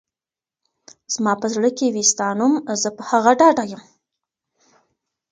زما په زړه کي وي ستا نوم ، زه په هغه ډاډه يم